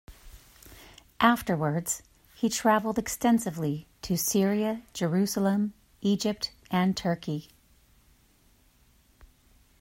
Afterwards, he traveled extensively to Syria, Jerusalem, Egypt and Turkey.